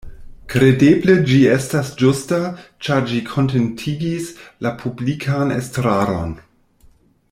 Kredeble ĝi estas ĝusta, ĉar ĝi kontentigis la publikan estraron.